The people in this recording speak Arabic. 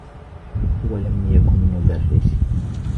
هو لم يكن مدرّسي.